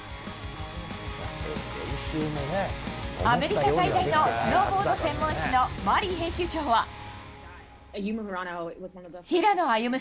アメリカ最大のスノーボード専門誌のマリー編集長は。